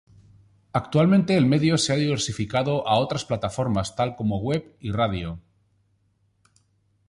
Actualmente el medio se ha diversificado a otras plataformas, tal como web y radio.